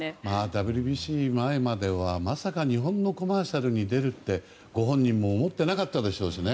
ＷＢＣ前までは、まさか日本のコマーシャルに出るとは、ご本人も思っていなかったでしょうね。